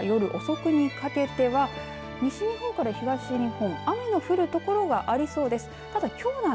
そして、夜初めごろから夜遅くにかけては西日本から東日本雨の降る所はありそうです。